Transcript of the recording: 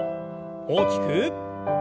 大きく。